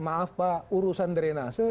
maaf pak urusan drenase